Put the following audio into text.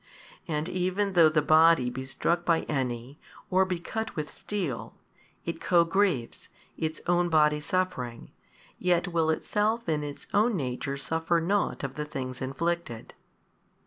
And even though the body be struck by any or be cut with steel, it co grieves, its own body suffering, yet will itself in its own nature suffer nought of the things inflicted.